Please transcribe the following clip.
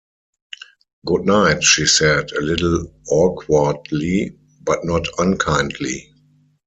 “Good night,” she said, a little awkwardly, but not unkindly.